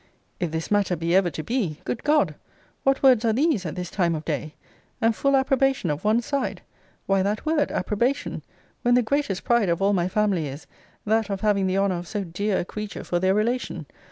If this matter be ever to be! Good God! what words are these at this time of day! and full approbation of one side! Why that word approbation? when the greatest pride of all my family is, that of having the honour of so dear a creature for their relation?